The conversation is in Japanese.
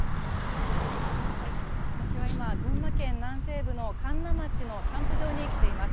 私は今、群馬県南西部の神流町のキャンプ場に来ています。